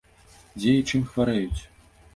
Дзе і чым хварэюць?